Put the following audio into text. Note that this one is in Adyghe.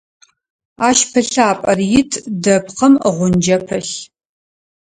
Ащ пылъапӏэр ит, дэпкъым гъунджэ пылъ.